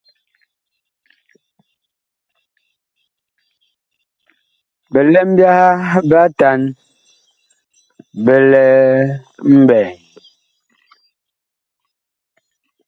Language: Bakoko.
Bilɛm byaha bi atan bi lɛ mɓɛɛŋ.